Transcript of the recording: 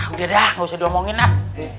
udah dah nggak usah diomongin nak